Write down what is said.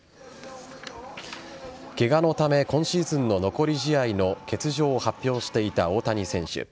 ケガのため今シーズンの残り試合の欠場を発表していた大谷選手。